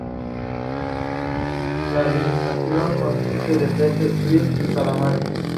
Juega dos temporadas en ese club de Amberes hasta que desaparece el club.